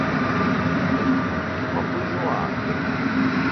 تو مہ بوجو اؘ۔